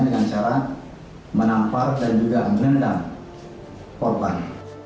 dengan cara menampar dan juga merendam korban